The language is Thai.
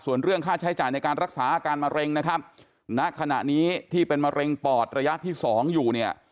ส่วนเรื่องค่าใช้จ่ายในการรักษาอาการมะเร็งนะครับณขณะนี้ที่เป็นมะเร็งปอดระยะที่สองอยู่เนี่ย